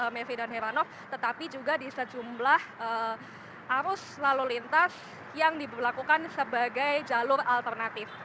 mevi dan heranov tetapi juga di sejumlah arus lalu lintas yang diberlakukan sebagai jalur alternatif